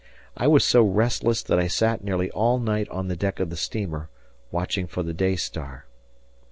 I was so restless that I sat nearly all night on the deck of the steamer, watching for the day star.